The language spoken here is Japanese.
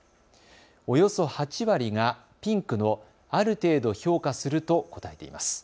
およそ８割がピンクのある程度評価すると答えています。